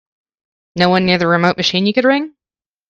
No one near the remote machine you could ring?